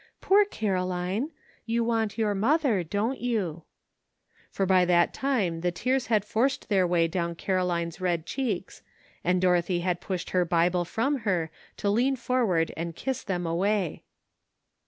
Poor Caroline ! you want your mother, don't you ?" For by that time the tears had forced their way down Caroline's red cheeks, and Dorothy had pushed her Bible from her to lean forward and kiss them away.